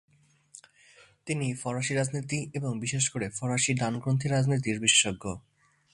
তিনি ফরাসি রাজনীতি এবং বিশেষ করে ফরাসি ডানপন্থী রাজনীতির বিশেষজ্ঞ।